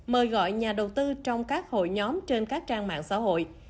mời gọi nhà đầu tư trong các hội nhóm trên các trang mạng xã hội